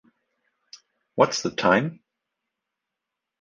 What's the time?